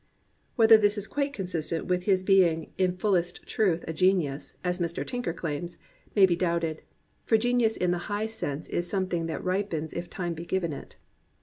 Whether this is quite consistent with his being "in fullest truth a genius, as Mr. Tinker claims, may be doubted; for genius in the high sense is something that ripens if time be given it.